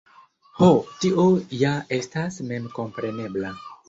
Ho! tio ja estas memkomprenebla.